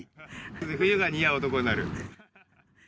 冬が似合う男になる。